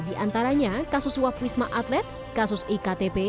diantaranya kasus wapwisma atlet kasus iktp